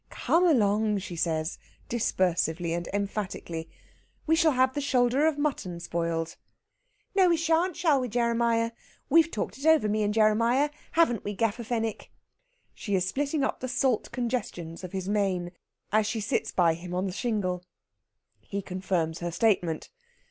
"Come along!" she says, dispersively and emphatically. "We shall have the shoulder of mutton spoiled." "No, we shan't! Shall we, Jeremiah? We've talked it over, me and Jeremiah. Haven't we, Gaffer Fenwick?" She is splitting up the salt congestions of his mane as she sits by him on the shingle. He confirms her statement.